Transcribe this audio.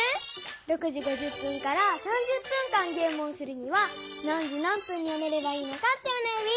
６時５０分から３０分間ゲームをするには何時何分にやめればいいのかっておなやみ。